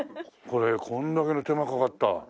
これこんだけの手間かかった。